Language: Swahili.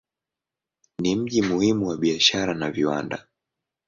Ni mji muhimu wa biashara na viwanda.